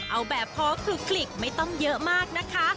เอาแบบพอคลุกไม่ต้องเยอะมากนะคะ